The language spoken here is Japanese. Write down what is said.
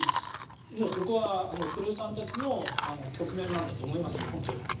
ここは黒井さんたちの局面なんだと思いますよ。